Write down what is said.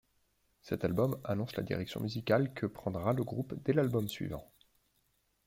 Cet album annonce la direction musicale que prendra le groupe dès l'album suivant.